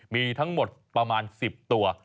มีทั้งหมดประมาณ๑๐ตัว